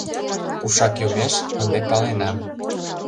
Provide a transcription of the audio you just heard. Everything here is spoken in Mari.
Кушак йомеш — ынде палена.